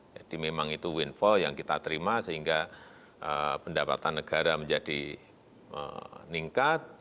jadi memang itu windfall yang kita terima sehingga pendapatan negara menjadi meningkat